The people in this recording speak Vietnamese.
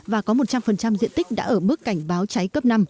và có một trăm linh diện tích đã ở mức cảnh báo cháy cấp năm